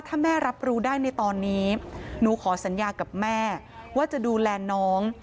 ถ้าแม่รับรู้ได้ในตอนนี้หนูขอสัญญากับแม่ว่าจะดูแลน้อง